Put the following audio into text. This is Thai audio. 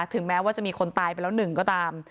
ถึงแม้ว่าจะมีคนตายไปแล้วหนึ่งก็ตาม